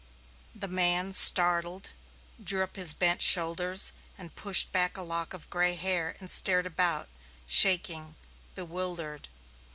The man, startled, drew up his bent shoulders, and pushed back a lock of gray hair and stared about, shaking, bewildered.